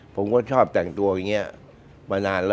ผมก็ชอบแต่งตัวอย่างนี้มานานแล้ว